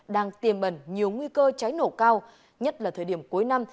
đang tiềm ẩn nhiều nguy cơ cháy nổ cao nhất là thời điểm cuối năm